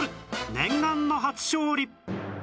念願の初勝利